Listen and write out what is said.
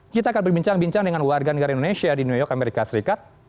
kita akan berbincang bincang dengan warga negara indonesia di new york amerika serikat